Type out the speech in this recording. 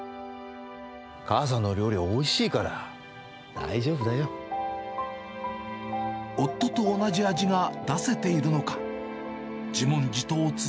母さんの料理おいしいから大夫と同じ味が出せているのか。